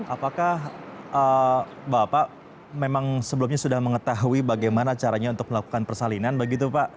apakah bapak memang sebelumnya sudah mengetahui bagaimana caranya untuk melakukan persalinan begitu pak